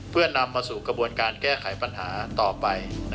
เพื่อนำมาสู่กระบวนการแก้ไขปัญหาต่อไป